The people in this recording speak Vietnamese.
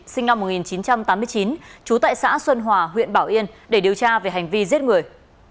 sinh năm một nghìn chín trăm tám mươi chín trú tại xã xuân hòa huyện bảo yên để điều tra về hành vi giết người